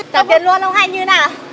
trả tiền luôn ông hay như thế nào